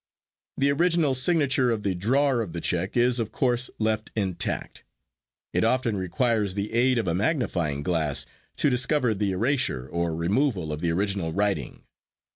The original signature of the drawer of the check is of course left intact. It often requires the aid of a magnifying glass to discover the erasure or removal of the original writing.